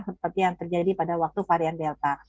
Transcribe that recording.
seperti yang terjadi pada waktu varian delta